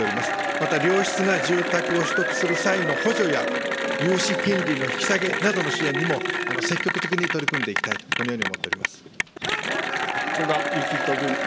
また良質な住宅を取得する際の補助や融資金利の引き下げなどの支援にも、積極的に取り組んでいきたいと、このように思っておりま古賀之士君。